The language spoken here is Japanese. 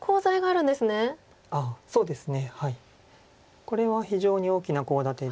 これは非常に大きなコウ立てでして。